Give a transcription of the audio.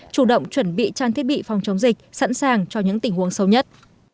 chủ động chuẩn bị trang thiết bị phòng chống dịch sẵn sàng cho những tình huống sâu nhất